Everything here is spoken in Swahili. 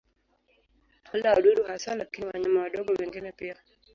Hula wadudu hasa lakini wanyama wadogo wengine pia.